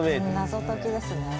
謎解きですね。